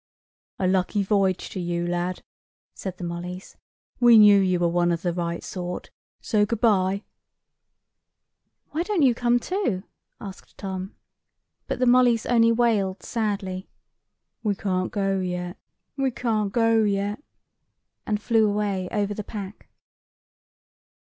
"A lucky voyage to you, lad," said the mollys; "we knew you were one of the right sort. So good bye." "Why don't you come too?" asked Tom. But the mollys only wailed sadly, "We can't go yet, we can't go yet," and flew away over the pack.